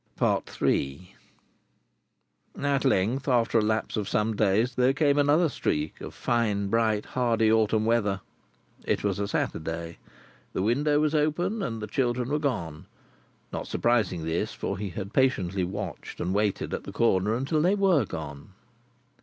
III At length, after a lapse of some days, there came another streak of fine bright hardy autumn weather. It was a Saturday. The window was open, and the children were gone. Not surprising, this, for he had patiently watched and waited at the corner, until they were gone.